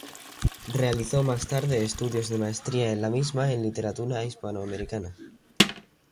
Realizó más tarde estudios de maestría en la misma en literatura hispanoamericana.